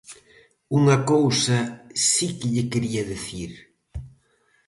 Unha cousa si que lle quería dicir.